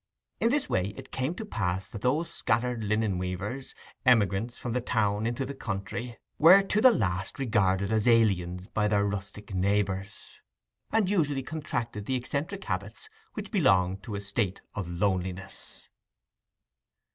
In this way it came to pass that those scattered linen weavers—emigrants from the town into the country—were to the last regarded as aliens by their rustic neighbours, and usually contracted the eccentric habits which belong to a state of loneliness.